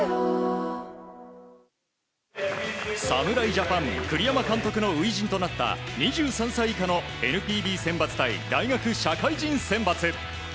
侍ジャパン栗山監督の初陣となった２３歳以下のＮＰＢ選抜隊大学・社会人選抜。